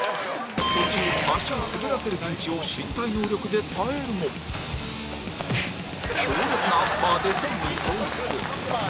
途中足を滑らせるピンチを身体能力で耐えるも強烈なアッパーで戦意喪失